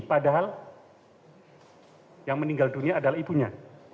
padahal yang meninggal dunia adalah ibunya